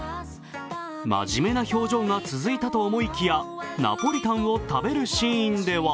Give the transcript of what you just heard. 真面目な表情が続いたと思いきや、ナポリタンを食べるシーンでは